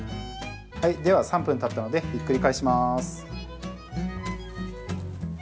◆では３分たったので、ひっくり返しまーす。